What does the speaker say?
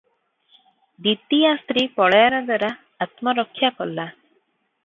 ଦ୍ୱିତୀୟା ସ୍ତ୍ରୀ ପଳାୟନ ଦ୍ୱାରା ଆତ୍ମରକ୍ଷା କଲା ।